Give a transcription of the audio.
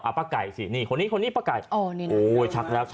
อ้าวป้าไก่สินี่คนนี้ป้าไก่โอ้ยชักแล้ว